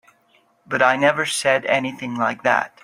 But I never said anything like that.